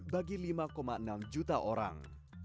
bagi lima enam juta orang